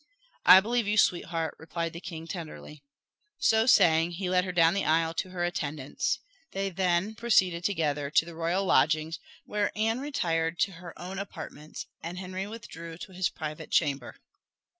"I believe you, sweetheart," replied the king tenderly. So saying, he led her down the aisle to her attendants. They then proceeded together to the royal lodgings, where Anne retired to her own apartments, and Henry withdrew to his private chamber.